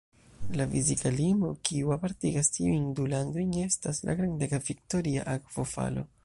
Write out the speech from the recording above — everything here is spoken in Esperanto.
La fizika limo kiu apartigas tiujn du landojn estas la grandega Viktoria Akvofalo.